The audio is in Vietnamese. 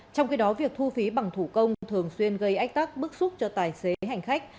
trong khi đó việc thu phí bằng thủ công thường xuyên gây ách tắc bức xúc cho tài xế hành khách